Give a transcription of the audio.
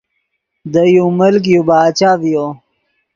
دے یو ملک یو باچہ ڤیو